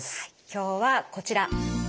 今日はこちら。